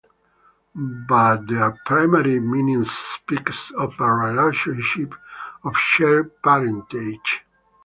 But their primary meaning speaks of a relationship of shared parentage.